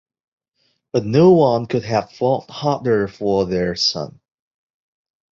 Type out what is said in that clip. But no one could have fought harder for their son.